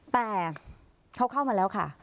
แต่เขาเข้ามาแล้วค่ะ